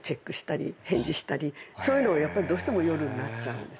そういうのはやっぱりどうしても夜になっちゃうんですよね。